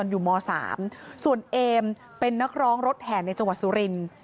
อยู่ม๓ส่วนเอมเป็นนักร้องรถแห่ในจังหวัดสุรินทร์